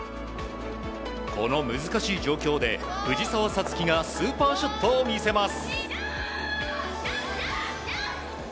この難しい状況で、藤澤五月がスーパーショットを見せます！